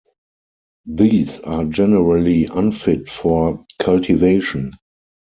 These are generally unfit for cultivation.